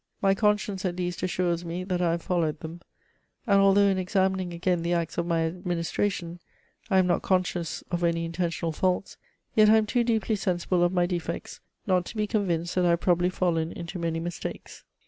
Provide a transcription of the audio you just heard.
My conscience, at least, assures me that I have followed them ; and, although in examining again the acts of my administration, I am not conscious of any intentional faults, yet I am too deeply sensible of my de fects, not to be convinced that I have probably fallen into many mistakes.